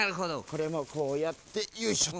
これもこうやってよいしょっと。